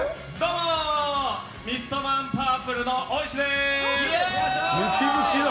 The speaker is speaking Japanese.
ミストマンパープルの大石です。